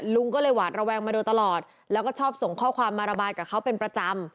ลุงก็เลยหวาดระแวงมาโดยตลอดแล้วก็ชอบส่งข้อความมาระบายกับเขาเป็นประจำ